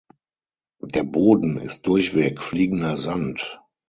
Der Boden ist durchweg fliegender Sand.